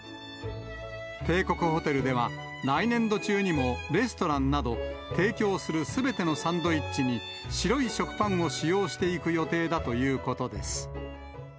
帝国ホテルでは、来年度中にもレストランなど、提供するすべてのサンドイッチに白い食パンを使用していく予定だということです。